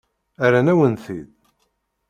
Rran-awen-t-id.